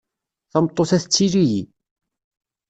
Tameṭṭut-a tettili-yi.